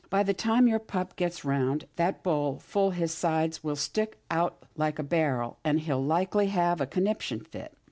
" By the time your pup gets round that bowl full his sides will stick out like a barrel, an' he'll likely have a conniption fit."